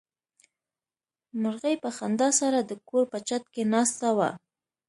مرغۍ په خندا سره د کور په چت کې ناسته وه.